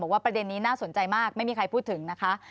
ประเด็นนี้น่าสนใจมากไม่มีใครพูดถึงนะคะ